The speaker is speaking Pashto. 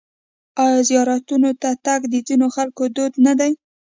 آیا زیارتونو ته تګ د ځینو خلکو دود نه دی؟